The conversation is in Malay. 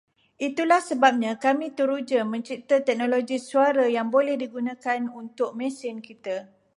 Itulah sebabnya kami teruja mencipta teknologi suara yang boleh digunakan untuk mesin kita